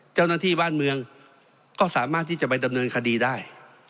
เจ้าหน้าที่บ้านเมืองก็สามารถที่จะไปดำเนินคดีได้